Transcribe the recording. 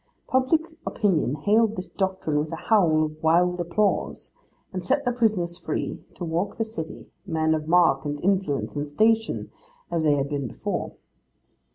Public opinion hailed this doctrine with a howl of wild applause, and set the prisoners free, to walk the city, men of mark, and influence, and station, as they had been before.